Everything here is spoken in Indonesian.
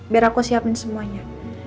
biar aku siapin semuanya